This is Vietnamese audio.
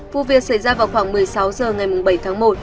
vụ việc xảy ra vào khoảng một mươi sáu h ngày bảy tháng một